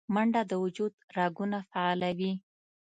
منډه د وجود رګونه فعالوي